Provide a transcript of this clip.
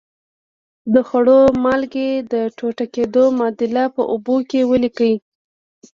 د خوړو مالګې د ټوټه کیدو معادله په اوبو کې ولیکئ.